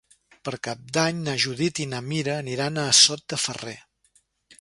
Per Cap d'Any na Judit i na Mira aniran a Sot de Ferrer.